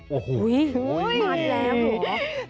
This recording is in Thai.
โอ้โหมันแล้วเหรอ